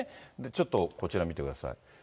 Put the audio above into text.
ちょっとこちら見てください。